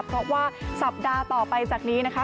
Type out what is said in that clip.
เพราะว่าสัปดาห์ต่อไปจากนี้นะคะ